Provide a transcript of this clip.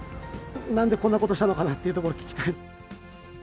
なんでこんなことしたのかなっていうところ、聞きたい。